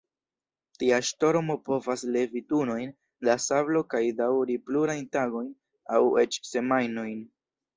Tia ŝtormo povas levi tunojn da sablo kaj daŭri plurajn tagojn aŭ eĉ semajnojn.